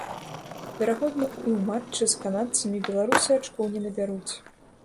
Верагодна і ў матчы з канадцамі беларусы ачкоў не набяруць.